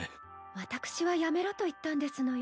私はやめろと言ったんですのよ。